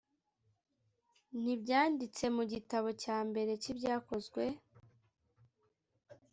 ntibyanditse mu gitabo l cy ibyakozwe